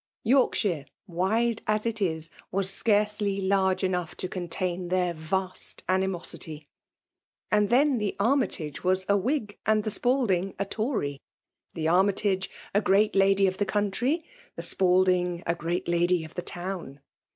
Yorkshire, wide as it i6> was scarcely large enough to contain their vast animosity ! And then the Armytage was a Whig, and the Spalding a Tory — the Army tage a great lady of the country, the Spalding a great lady of the town.